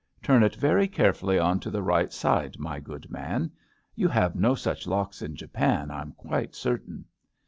Turn it very carefully on to the right side, my good man. You have no such locks in Japan, I'm quite certain.''